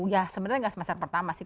ya sebenarnya nggak semester pertama sih